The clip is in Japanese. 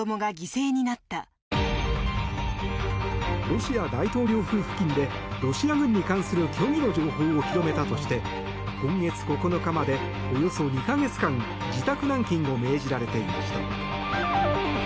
ロシア大統領府付近でロシア軍に関する虚偽の情報を広めたとして今月９日までおよそ２か月間自宅軟禁を命じられていました。